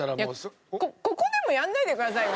いやここでもやんないでくださいよ